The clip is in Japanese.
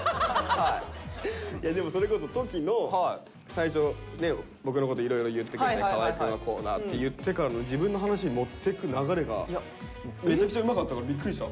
でもそれこそ十輝の最初僕のこといろいろ言ってくれて河合くんはこうだって言ってからの自分の話にもってく流れがめちゃくちゃうまかったからビックリした。